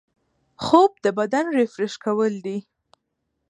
خوب د بدن ریفریش کول دي